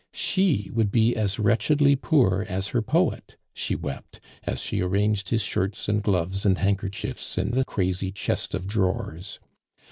She would be as wretchedly poor as her poet, she wept, as she arranged his shirts and gloves and handkerchiefs in the crazy chest of drawers.